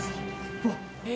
うわっ！